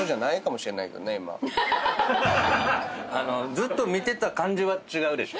ずっと見てた感じは違うでしょ？